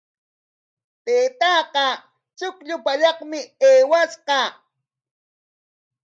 Taytaaqa chuqllu pallaqmi aywarqun.